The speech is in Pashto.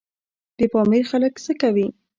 د پامیر خلک څه کوي؟